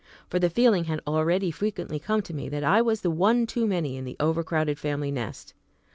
For the feeling had already frequently come to me, that I was the one too many in the overcrowded family nest.